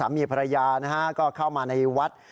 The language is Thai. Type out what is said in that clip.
๒๓มีภรรยาก็เข้ามาในวัด